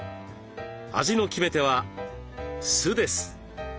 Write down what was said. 味の決め手は酢です。